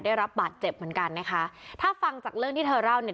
ได้รับบาดเจ็บเหมือนกันนะคะถ้าฟังจากเรื่องที่เธอเล่าเนี่ย